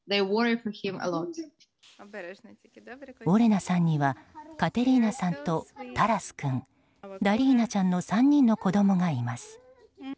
オレナさんにはカテリーナさんとタラス君、ダリーナちゃんの３人の子供がいます。